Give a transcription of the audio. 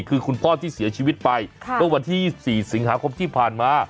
คือคุณพ่อที่เสียชีวิตไปเมื่อวันที่๒๔สิงหาคมที่ผ่านมา